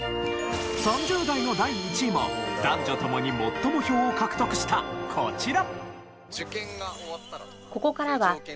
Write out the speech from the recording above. ３０代の第１位も男女ともに最も票を獲得したこちら！